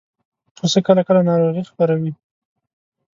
پسه کله کله ناروغي خپروي.